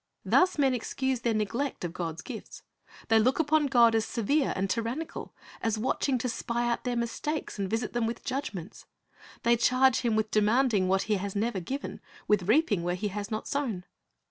Thus men excuse their neglect of God's gifts. They look upon God as severe and tyrannical, as watching to spy out their mistakes and visit them with judgments. They charge Him with demanding what He has never given, with reaping where He has not sown.